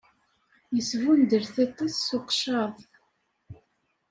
Yesbundel tiṭṭ-is s uqeccaḍ.